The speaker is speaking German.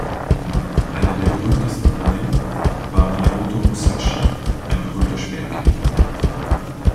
Einer der berühmtesten "Rōnin" war Miyamoto Musashi, ein berühmter Schwertkämpfer.